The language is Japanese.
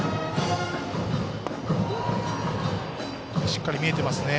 しっかり見えていますね。